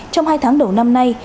trong hai tháng đầu năm nay